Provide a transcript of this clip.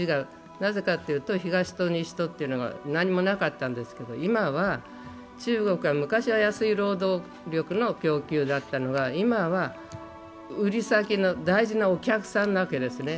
なぜかというと東と西が何もなかったんですけど中国は昔は安い労働力の供給だったのが、今は売り先の大事なお客さんなわけですね。